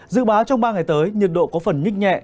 dự báo trong ba ngày tới nhiệt độ có phần nhích nhẹ